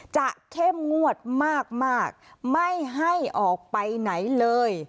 เข้มงวดมากไม่ให้ออกไปไหนเลย